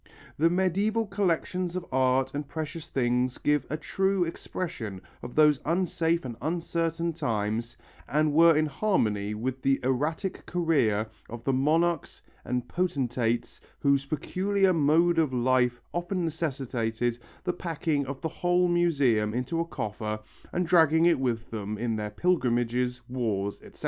The medieval collections of art and precious things give a true expression of those unsafe and uncertain times and were in harmony with the erratic career of the monarchs and potentates whose peculiar mode of life often necessitated the packing of the whole museum into a coffer and dragging it with them in their pilgrimages, wars, etc.